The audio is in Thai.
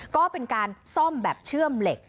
ก็เป็นการซ่อมแบบเชื่อมเหล็ก